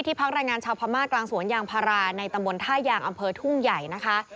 พักแรงงานชาวพม่ากลางสวนยางพาราในตำบลท่ายางอำเภอทุ่งใหญ่นะคะ